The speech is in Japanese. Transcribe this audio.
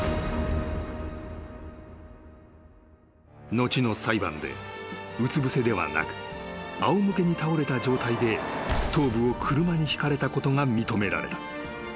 ［後の裁判でうつぶせではなくあお向けに倒れた状態で頭部を車にひかれたことが認められた］